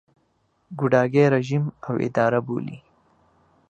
ګوډاګی رژیم او اداره بولي.